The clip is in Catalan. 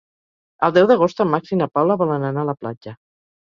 El deu d'agost en Max i na Paula volen anar a la platja.